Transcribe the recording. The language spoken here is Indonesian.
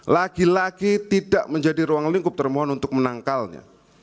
lagi lagi tidak menjadi ruang lingkup termohon untuk menangkalnya